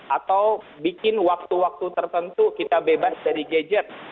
atau bikin waktu waktu tertentu kita bebas dari gadget